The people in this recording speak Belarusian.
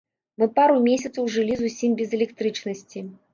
Мы пару месяцаў жылі зусім без электрычнасці!